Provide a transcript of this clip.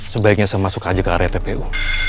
sebaiknya saya masuk aja ke area tpu